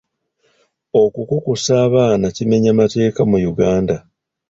Okukukusa abaana kimenya mateeka mu Uganda.